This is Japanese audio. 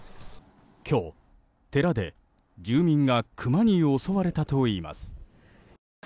今日、寺で住民がクマに襲われたといいます。